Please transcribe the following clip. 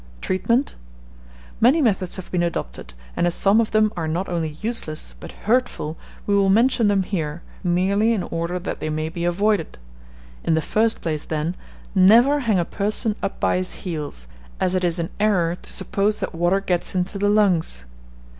Treatment. Many methods have been adopted, and as some of them are not only useless, but hurtful, we will mention them here, merely in order that they may be avoided. In the first place, then, never hang a person up by his heels, as it is an error to suppose that water gets into the lungs.